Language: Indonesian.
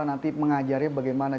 nanti mengajarnya bagaimana